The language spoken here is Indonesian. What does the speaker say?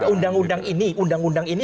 undang undang ini undang undang ini